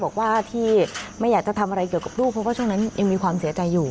บอกว่าที่ไม่อยากจะทำอะไรเกี่ยวกับลูกเพราะว่าช่วงนั้นยังมีความเสียใจอยู่